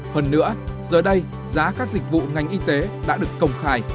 hơn nữa giờ đây giá các dịch vụ ngành y tế đã được công khai